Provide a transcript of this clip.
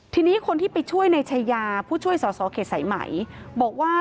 ทีนี้คนที่ไปช่วยในชายาผู้ช่วยสอสอเขตสายไหมบอกว่า